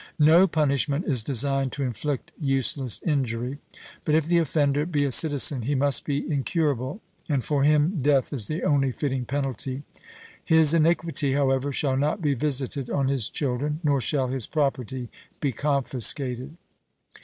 No punishment is designed to inflict useless injury. But if the offender be a citizen, he must be incurable, and for him death is the only fitting penalty. His iniquity, however, shall not be visited on his children, nor shall his property be confiscated.